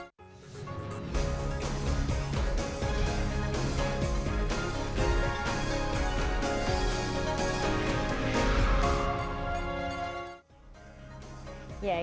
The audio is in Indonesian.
sampai jumpa lagi